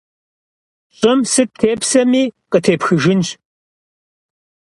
Щӏым сыт тепсэми, къытепхыжынщ.